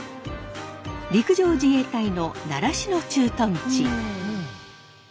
陸上自衛隊の習志野駐屯地。